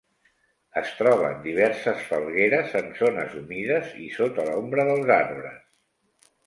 Es troben diverses falgueres en zones humides i sota l'ombra dels arbres.